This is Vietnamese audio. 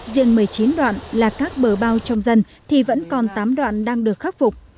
riêng một mươi chín đoạn là các bờ bao trong dân thì vẫn còn tám đoạn đang được khắc phục